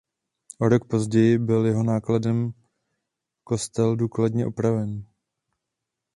O rok později byl jeho nákladem kostel důkladně opraven.